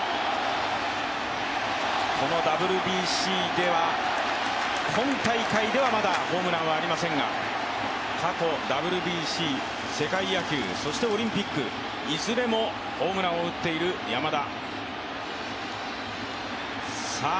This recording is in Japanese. このＷＢＣでは、今大会ではまだホームランはありませんが、過去、ＷＢＣ、世界野球、そしてオリンピック、いずれもホームランを打っている山田。